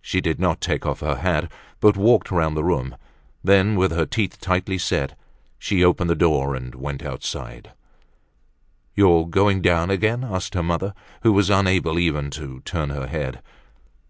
She did not take off her hat but walked round the room; then with her teeth tightly set, she opened the door and went out. "You are doing down again?" asked her mother, who was unable even to turn her head.